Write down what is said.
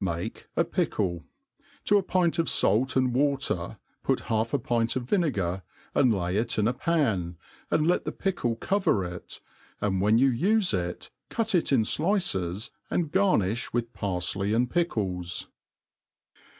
Make a pickle : to a pint of fait and water put half a pint of vinegar^ and lay it in a pan, and let the pickle cover i^;; and when yoin ufe.it, cut it in Qices, and garnifh with parfley and pickles.